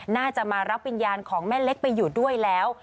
น่าจะมารับวิญญาณของแม่เล็กไปอยู่ด้วยแล้ว